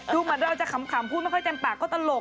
ถูกมันด้วยเอาจะขำพูดไม่ค่อยจำปากก็ตลก